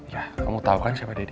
ya kamu tahu kan siapa deddy